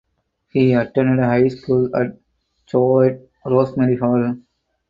He attend high school at Choate Rosemary Hall.